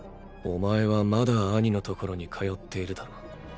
お前はまだアニのところに通っているだろ？